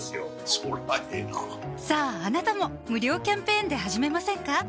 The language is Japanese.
そりゃええなさぁあなたも無料キャンペーンで始めませんか？